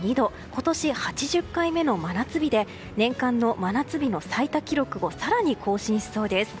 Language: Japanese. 今年８０回目の真夏日で年間の真夏日の最多記録を更に更新しそうです。